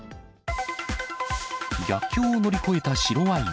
逆境を乗り越えた白ワイン。